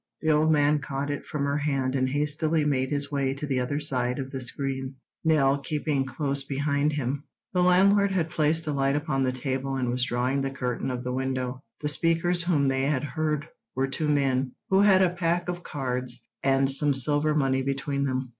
The old man caught it from her hand and hastily made his way to the other side of the screen, Nell keeping close behind him. The landlord had placed a light upon the table and was drawing the curtain of the window. The speakers whom they had heard were two men, who had a pack of cards and some silver money between them.